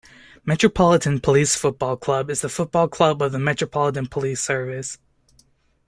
Metropolitan Police Football Club is the football club of the Metropolitan Police Service.